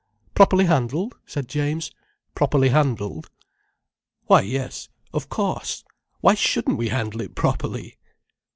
"Properly handled," said James. "Properly handled." "Why yes—of cauce! Why shouldn't we handle it properly!"